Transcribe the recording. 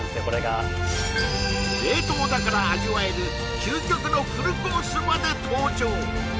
これが冷凍だから味わえる究極のフルコースまで登場